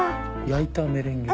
焼いたメレンゲ。